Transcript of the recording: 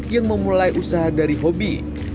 yang memulai usaha dari hobi